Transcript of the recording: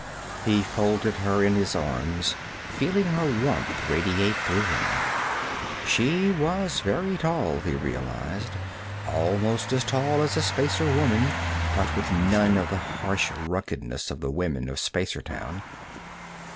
He folded her in his arms, feeling her warmth radiate through him. She was very tall, he realized, almost as tall as a Spacer woman but with none of the harsh ruggedness of the women of Spacertown.